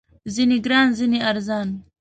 ځینې ګران، ځینې ارزان